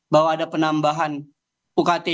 bahwa ada penambahan ukt